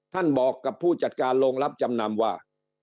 บอกกับผู้จัดการโรงรับจำนำว่า